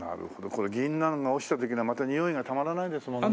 これギンナンが落ちた時のまたにおいがたまらないですもんね。